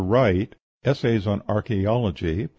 Wright ("Essays on Archæology," p.